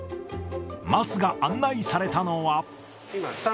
桝が案内されたのは。